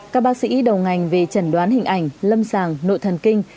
các bác sĩ đầu ngành về trần đoán hình ảnh lâm sàng nội thần kinh